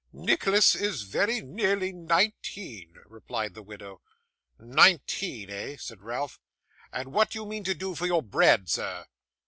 'Nicholas is very nearly nineteen,' replied the widow. 'Nineteen, eh!' said Ralph; 'and what do you mean to do for your bread, sir?